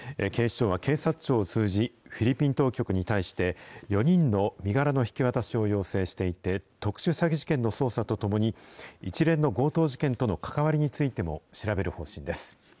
警視庁は警察庁を通じ、フィリピン当局に対して、４人の身柄の引き渡しを要請していて、特殊詐欺事件の捜査とともに、一連の強盗事件との関わりについても、調べる方針です。